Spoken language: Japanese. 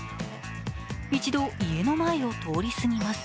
一度、家の前を通り過ぎます。